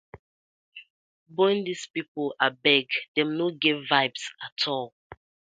Bone dis pipu abeg, dem no get vibes atol.